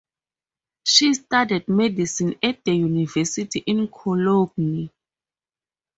She studied medicine at the university in Cologne.